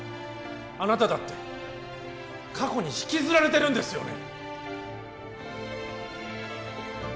あなただって過去に引きずられてるんですよね